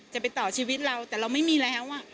จะไปต่อชีวิตเราแต่เราไม่มีแล้ว